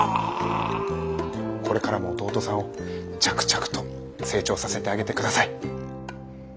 これからも弟さんを着々と成長させてあげて下さい。